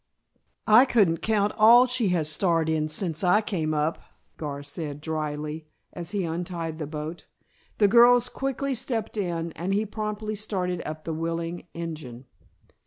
"I couldn't count all she has starred in since I came up," Gar said dryly, as he untied the boat. The girls quickly stepped in and he promptly started up the willing engine.